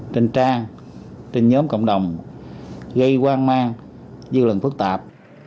trình trang trên nhóm cộng đồng gây hoang mang dư luận phức tạp